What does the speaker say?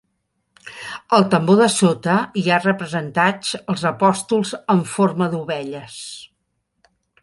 Al tambor de sota hi ha representats els apòstols en forma d'ovelles.